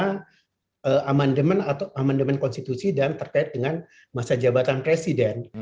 karena amandemen konstitusi dan terkait dengan masa jabatan presiden